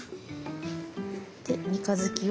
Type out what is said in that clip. で三日月を。